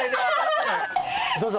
どうぞ。